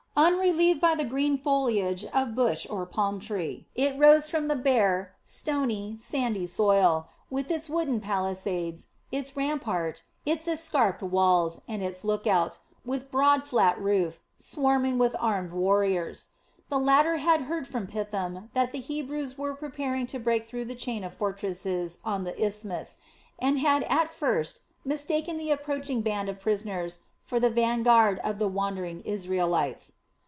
Unrelieved by the green foliage of bush or palmtree, it rose from the bare, stony, sandy soil, with its wooden palisades, its rampart, its escarped walls, and its lookout, with broad, flat roof, swarming with armed warriors. The latter had heard from Pithom that the Hebrews were preparing to break through the chain of fortresses on the isthmus and had at first mistaken the approaching band of prisoners for the vanguard of the wandering Israelites.